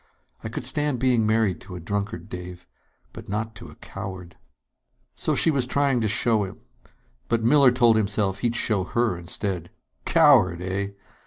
I could stand being married to a drunkard, Dave, but not to a coward ..." So she was trying to show him. But Miller told himself he'd show her instead. Coward, eh?